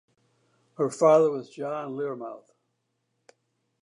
Her father was John Learmonth.